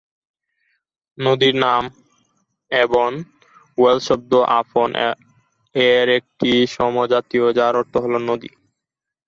নদীর নাম "Avon" Wales শব্দ "আফন"-এর একটি সমজাতীয়, যার আর্থ হল "নদী"।